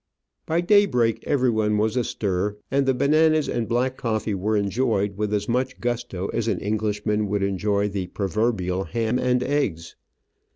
By daybreak everyone was astir, and the bananas and black coffee were enjoyed with as much gusto ON THE RIVER LEBRIJA. as an Englishman would enjoy the proverbial ham and eggs.